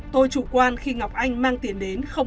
tôi chủ quan khi ngọc anh mang tiền đến